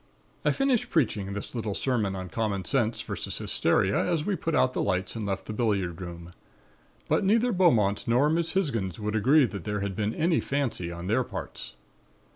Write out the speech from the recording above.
"I finished preaching this little sermon on commonsense versus hysteria as we put out the lights and left the billiard room. But neither Beaumont nor Miss Hisgins would agree that there had been any fancy on their parts.